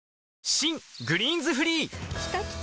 新「グリーンズフリー」きたきた！